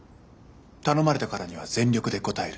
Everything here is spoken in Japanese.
頼まれたからには全力で応える。